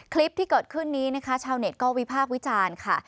คลิปที่เกิดขึ้นนี้นะคะชาวเทสาวิภาควิจารค่ะ